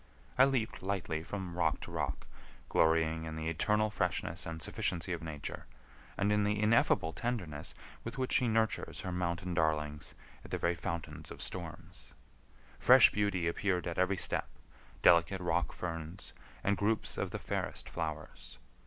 I leaped lightly from rock to rock, glorying in the eternal freshness and sufficiency of Nature, and in the ineffable tenderness with which she nurtures her mountain darlings in the very fountains of storms. Fresh beauty appeared at every step, delicate rock ferns, and groups of the fairest flowers.